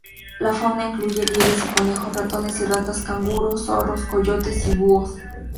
La fauna incluye liebres y conejos, ratones y ratas canguro, zorros, coyotes y búhos.